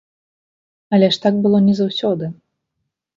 Але ж так было не заўсёды.